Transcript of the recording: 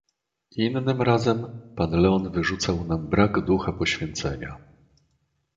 "Innym razem pan Leon wyrzucał nam brak ducha poświęcenia."